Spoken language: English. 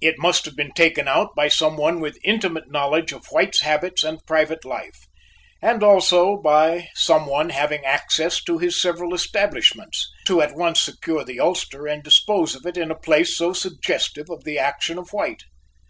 It must have been taken out by some one with intimate knowledge of White's habits and private life, and also by some one having access to his several establishments, to at once secure the ulster and dispose of it in a place so suggestive of the action of White.